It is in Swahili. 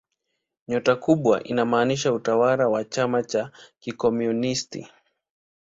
Nyota kubwa inamaanisha utawala wa chama cha kikomunisti.